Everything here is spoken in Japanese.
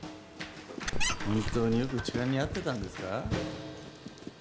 本当によく痴漢に遭ってたんですか？